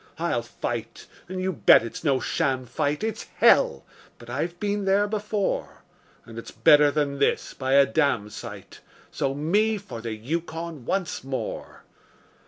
I'll fight and you bet it's no sham fight; It's hell! but I've been there before; And it's better than this by a damsite So me for the Yukon once more.